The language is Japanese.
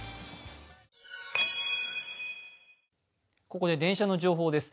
ここで電車の情報です。